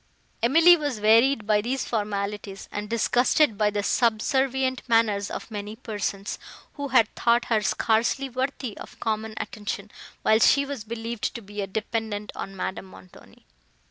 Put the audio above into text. Emily was wearied by these formalities, and disgusted by the subservient manners of many persons, who had thought her scarcely worthy of common attention, while she was believed to be a dependant on Madame Montoni.